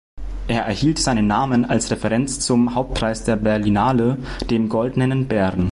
Er erhielt seinen Namen als Referenz zum Hauptpreis der Berlinale, dem "Goldenen Bären".